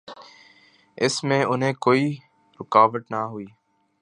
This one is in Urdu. اس میں انہیں کوئی رکاوٹ نہ ہوئی۔